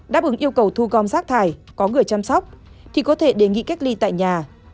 đáp ứng yêu cầu thu gom rác thải có người chăm sóc thì có thể đề nghị cách ly tại nhà